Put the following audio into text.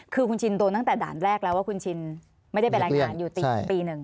คือคุณชินโดนตั้งแต่ด่านแรกแล้วว่าคุณชินไม่ได้ไปรายงานอยู่ติดปีหนึ่ง